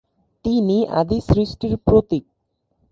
তিনি আদি সৃষ্টির প্রতীক।